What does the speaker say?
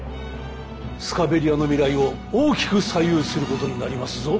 スカベリアの未来を大きく左右することになりますぞ。